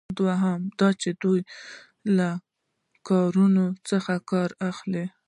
دوهم دا چې دوی له کاریګرانو څخه کار واخیست.